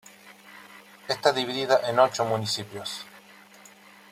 Está dividida en ocho municipios.